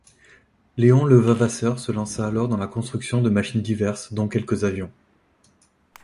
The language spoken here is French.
Léon Levavasseur se lança alors dans la construction de machines diverses, dont quelques avions.